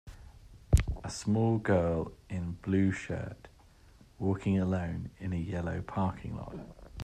A small girl in blue shirt walking alone in a yellow parking lot.